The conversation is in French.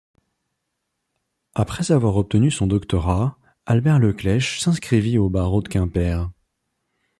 Après avoir obtenu son doctorat, Albert Le Clec'h s'inscrivit au barreau de Quimper.